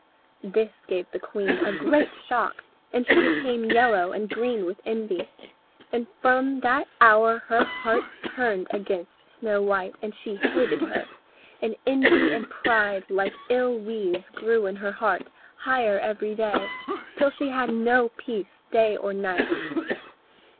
This gave the queen a great shock, and she became yellow and green with envy, and from that hour her heart turned against Snow white, and she hated her. And envy and pride like ill weeds grew in her heart higher every day, until she had no peace day or night.